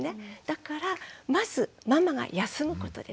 だからまずママが休むことです。